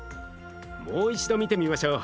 もう一度見てみましょう。